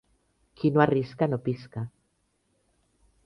Qui no arrisca no pisca